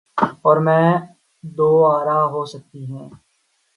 اوراس میں دو آرا ہو سکتی ہیں۔